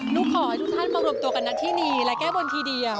หนูขอให้ทุกท่านมาหลบตัวกันอันทินี้และแก้บนทีเดียว